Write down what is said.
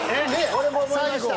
俺も思いました。